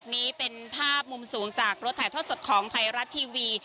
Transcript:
นี่เป็นภาพมุมสูงจากรถถ่ายทอดสดของไทยรัฐทีวี